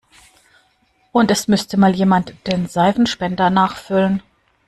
Und es müsste mal jemand den Seifenspender nachfüllen.